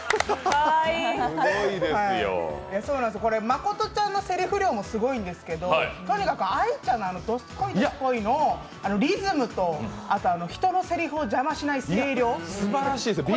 誠ちゃんのせりふ量がすごいんですけどとにかく愛ちゃんの「どすこいどすこい」のリズムとあと人のせりふを邪魔しない声量。